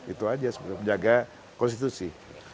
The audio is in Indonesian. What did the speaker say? itu aja sebenarnya menjaga konstitusi